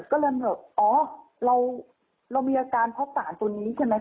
ก็เริ่มเหลืออ๋อเรามีอาการพร้อมสารตรงนี้ใช่ไหม